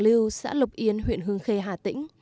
lưu xã lục yên huyện hương khê hà tĩnh